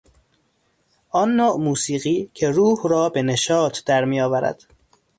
آن نوع موسیقی که روح را به نشاط در میآورد.